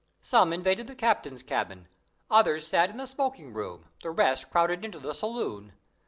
Some invaded the Captain's cabin; others sat in the smoking room; the rest crowded into the saloon.